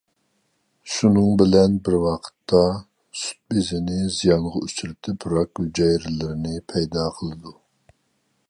شۇنىڭ بىلەن بىر ۋاقىتتا، سۈت بېزىنى زىيانغا ئۇچرىتىپ، راك ھۈجەيرىلىرىنى پەيدا قىلىدۇ.